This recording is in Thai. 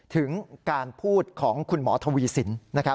ถึงการพูดของคุณหมอทวีสิน